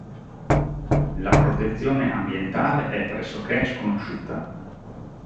La protezione ambientale è pressoché sconosciuta.